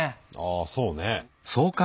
あそうね。